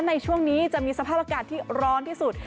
ในช่วงนี้จะมีสภาพอากาศที่ร้อนที่สุด